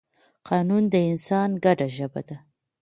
قانون د انسان ګډه ژبه ده.